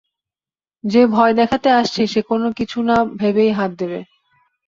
যে ভয় দেখাতে আসছে, সে কোনো কিছুনা-ভেবেই হাত দেবে।